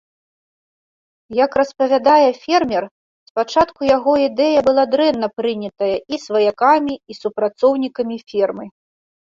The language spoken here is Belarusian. Як распавядае фермер, спачатку яго ідэя была дрэнна прынятая і сваякамі і супрацоўнікамі фермы.